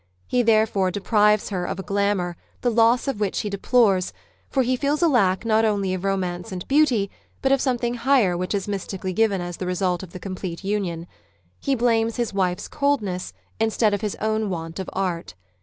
He therefore deprives her of a glamour, the loss of which he deplores, for he feels a lack not only of romance and beauty, but of something higher which is mystically given as the result of" the complete union. He blames his wife's " coldness " instead of his own want of art.